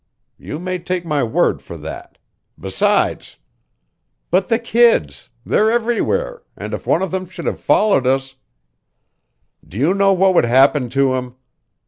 You may take my word for that. Besides " "But the kids? They're everywhere; and if one of them should have followed us " "Do you know what would happen to him?